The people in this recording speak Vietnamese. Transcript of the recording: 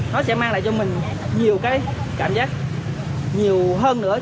nó sẽ mang lại cho mình nhiều cái cảm giác nhiều hơn nữa